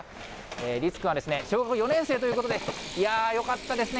律君は、小学４年生ということで、いやー、よかったですね。